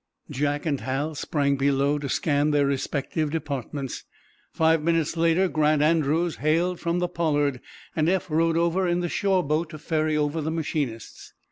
Jack and Hal sprang below, to scan their respective departments. Five minutes later Grant Andrews hailed from the "Pollard," and Eph rowed over in the shore boat to ferry over the machinists.